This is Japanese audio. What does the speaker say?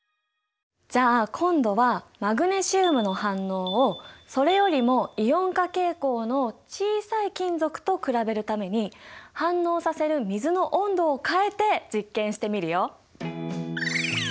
じゃあ今度はマグネシウムの反応をそれよりもイオン化傾向の小さい金属と比べるために反応させる水の温度を変えて実験してみるよ。